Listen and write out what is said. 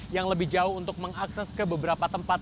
yang lebih jauh untuk mengakses ke beberapa tempat